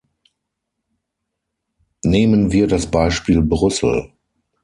Nehmen wir das Beispiel Brüssel.